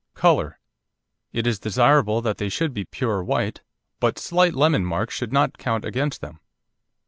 COLOUR It is desirable that they should be pure white, but slight lemon marks should not count against them.